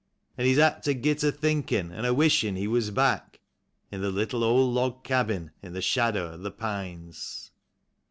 Then he's apt ter git a thinkin' an' a wisliin' he was back In the little ol' log cabin in the shadder of the pines.